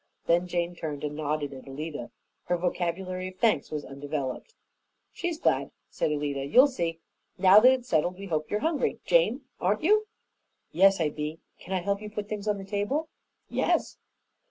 Then Jane turned and nodded at Alida. Her vocabulary of thanks was undeveloped. "She's glad," said Alida. "You'll see. Now that it's settled, we hope you're hungry, Jane, aren't you?" "Yes, I be. Can't I help you put things on the table?" "Yes."